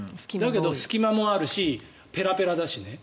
隙間もあるしペラペラだしね。